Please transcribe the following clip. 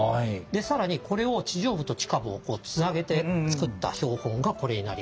更にこれを地上部と地下部をつなげて作った標本がこれになります。